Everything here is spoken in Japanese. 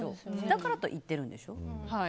だから行ってるんでしょ。